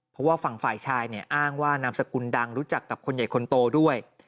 เพราะว่าฝั่งฝ่ายชายเนี่ยอ้างว่านามสกุลดังรู้จักกับคนใหญ่คนโตด้วย